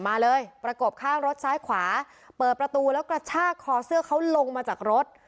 มาเลยประกบข้างรถซ้ายขวาเปิดประตูแล้วกระชากคอเสื้อเขาลงมาจากรถ